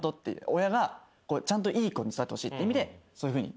親がちゃんといい子に育ってほしいって意味でそういうふうに。